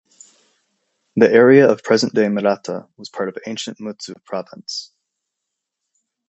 The area of present-day Murata was part of ancient Mutsu Province.